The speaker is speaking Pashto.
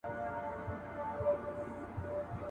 تقدير په تدبير پوري خاندي.